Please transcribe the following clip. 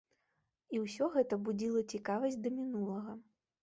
І ўсё гэта будзіла цікаваць да мінулага.